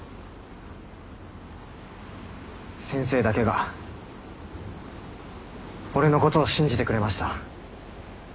先生だけが俺のことを信じてくれました。